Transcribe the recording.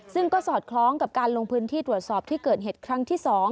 ซึ่งก็สอดคล้องกับการลงพื้นที่ตรวจสอบที่เกิดเหตุครั้งที่๒